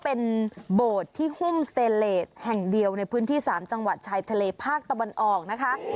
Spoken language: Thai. เป็นโบสถ์ที่หุ้มสเตเลสแห่งเดียวในพื้นที่๓จังหวัดชายทะเลภาคตะวันออกนะคะ